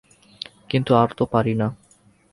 কিন্তু আর তো পারি না।